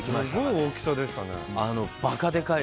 すごい大きさでしたね。